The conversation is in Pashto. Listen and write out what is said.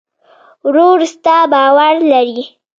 ورور ستا باور لري.